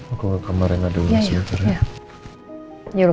aku ke kamar yang ada rumah sementara